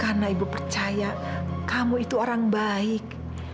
karena ibu percaya kamu itu orang baik